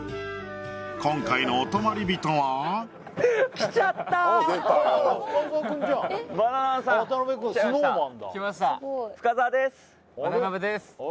今回のお泊まり人は来ました